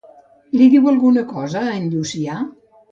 Li diu alguna cosa a en Llucià?